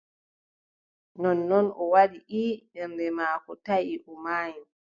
Nonnon o waɗi :« ii » ɓernde maako taʼi o maayi.